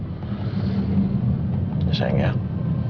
tapi papa akan selalu melindungi kamu